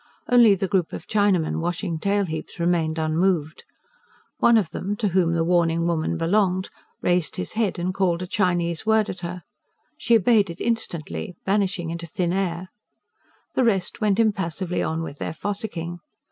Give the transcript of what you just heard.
Only the group of Chinamen washing tail heaps remained unmoved. One of them, to whom the warning woman belonged, raised his head and called a Chinese word at her; she obeyed it instantly, vanished into thin air; the rest went impassively on with their fossicking.